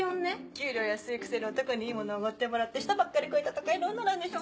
給料安いくせに男にいいものおごってもらって舌ばっかり肥えた都会の女なんでしょ？